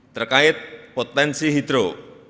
terkait potensi hidro